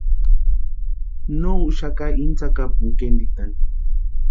No úxaka íni tsakapuni kéntitani.